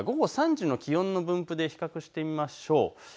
午後３時の気温の分布で比較してみましょう。